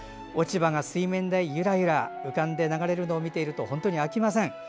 落ち葉が水面でゆらゆらと浮かんで流れるのを見ていると本当に飽きません。